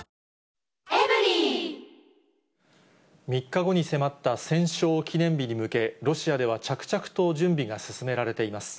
３日後に迫った戦勝記念日に向け、ロシアでは着々と準備が進められています。